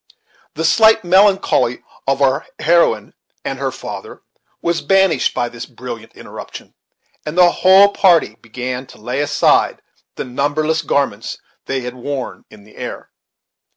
The slight melancholy of our heroine and her father was banished by this brilliant interruption; and the whole party began to lay aside the numberless garments they had worn in the air.